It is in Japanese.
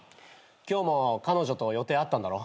今日も彼女と予定あったんだろ？